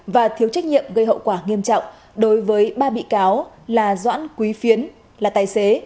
và thiếu trách nhiệm gây hậu quả nghiêm trọng đối với ba bị cáo là doãn quý phiến là tài xế